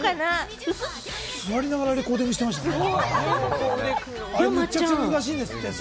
座りながらレコーディングしていましたからね。